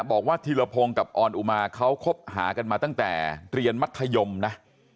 ธีรพงศ์กับออนอุมาเขาคบหากันมาตั้งแต่เรียนมัธยมนะ